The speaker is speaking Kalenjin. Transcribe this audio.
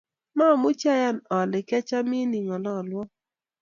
Mamuchi ayan ale kiachamun ingololwo